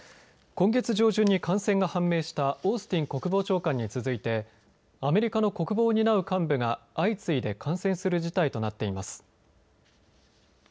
今月上旬に感染が判明したオースティン国防長官に続いてアメリカの国防を担う幹部が相次いで感染する事態となっています。